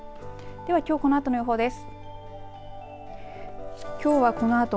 ではきょうこのあとの予報です。